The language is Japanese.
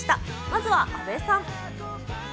まずは阿部さん。